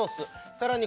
さらに